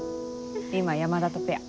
今山田とペア。